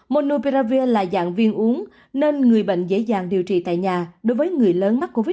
monopia là dạng viên uống nên người bệnh dễ dàng điều trị tại nhà đối với người lớn mắc covid một mươi chín